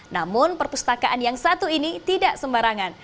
namun perpustakaan yang satu ini tidak sembarangan